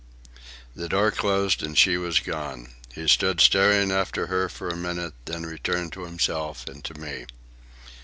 The door closed and she was gone. He stood staring after her for a minute, then returned to himself and to me.